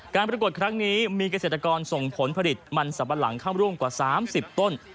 ปรากฏครั้งนี้มีเกษตรกรส่งผลผลิตมันสับปะหลังข้ามร่วมกว่า๓๐ต้น